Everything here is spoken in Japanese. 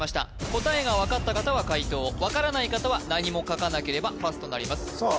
答えが分かった方は解答分からない方は何も書かなければパスとなりますさあ